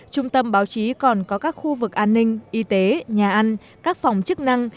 trung tâm báo chí còn có các khu vực an ninh y tế nhà ăn các phòng chức năng